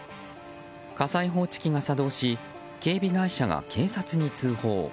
火災報知器が作動し警備会社が警察に通報。